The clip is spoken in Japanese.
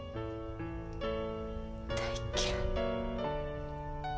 大嫌い。